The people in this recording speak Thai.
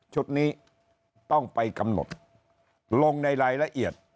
ชุดนี้ต้องไปกำหนดลงในรายละเอียด